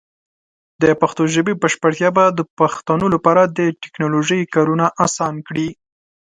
د پښتو ژبې بشپړتیا به د پښتنو لپاره د ټیکنالوجۍ کارونه اسان کړي.